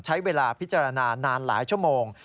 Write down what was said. ใช้เวลาพิจารณานานหลายชั่วโมง